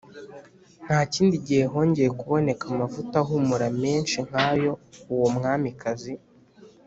Nta kindi gihe hongeye kuboneka amavuta ahumura menshi nk ayo uwo mwamikazi